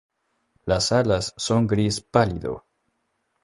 Las alas son gris pálido.